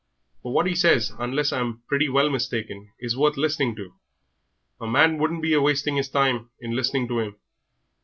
For what 'e says, unless I'm pretty well mistaken, is worth listening to. A man wouldn't be a wasting 'is time in listening to 'im.